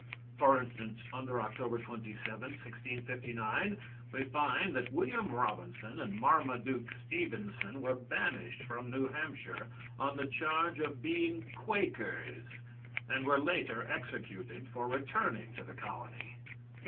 For instance, under Oct. 27, 1659, we find that William Robinson and Marmaduke Stevenson were banished from New Hampshire on the charge of being Quakers and were later executed for returning to the colony.